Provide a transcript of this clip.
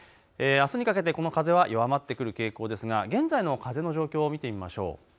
あすにかけてこの風は弱まってくる傾向ですが現在の風の状況を見てみましょう。